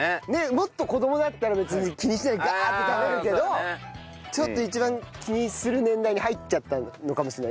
もっと子供だったら別に気にしないでガーッて食べるけどちょっと一番気にする年代に入っちゃったのかもしれないね。